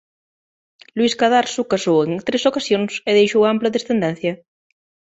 Luis Cadarso casou en tres ocasións e deixou ampla descendencia.